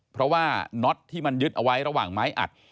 เพราะว่าน็อตที่มันยึดเอาไว้ระหว่างไม้อัด